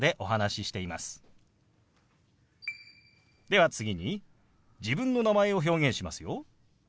では次に自分の名前を表現しますよ。